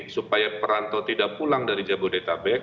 supaya perantau tidak pulang dari jabodetabek